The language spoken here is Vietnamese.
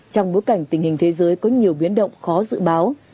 trong bối cảnh tình hình thế giới có nhiều biến động khó dự báo